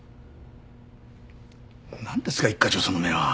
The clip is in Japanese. なんですか一課長その目は。